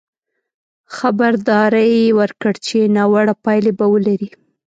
خبرداری یې ورکړ چې ناوړه پایلې به ولري.